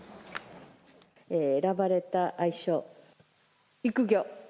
選ばれた愛称、育業。